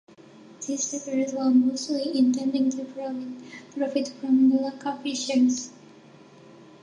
These settlers were mostly intending to profit from the local fisheries.